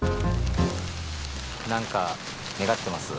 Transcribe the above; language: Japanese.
何か願ってます？